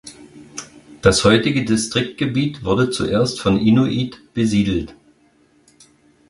Das heutige Distriktgebiet wurde zuerst von Inuit besiedelt.